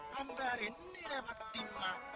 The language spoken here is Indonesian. sampai hari ini deh fatima